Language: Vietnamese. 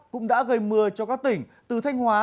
cũng đã gây mưa cho các tỉnh từ thanh hóa